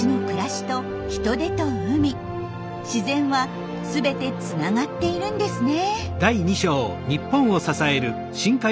自然はすべてつながっているんですね。